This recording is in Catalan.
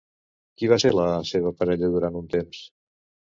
Qui va ser la seva parella durant un temps?